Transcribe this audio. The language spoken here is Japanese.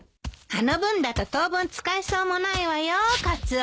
あの分だと当分使えそうもないわよカツオ。